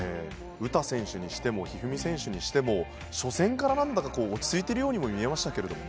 詩選手にしても一二三選手にしても初戦から落ち着いているように見えましたね。